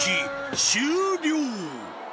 終了